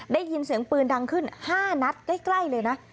ได้ยินเสียงปืนดังขึ้น๕นัดใกล้เลยนะ